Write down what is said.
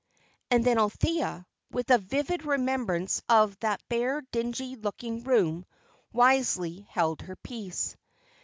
And then Althea, with a vivid remembrance of that bare, dingy looking room, wisely held her peace.